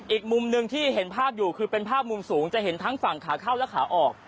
อีกมุมหนึ่งที่เห็นภาพอยู่คือเป็นภาพมุมสูงจะเห็นทั้งฝั่งขาเข้าและขาออก